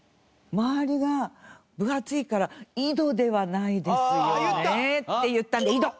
「周りが分厚いから井戸ではないですよね」って言ったんで井戸！